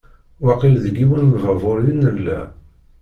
Waqil deg yiwen n lbabur i nella.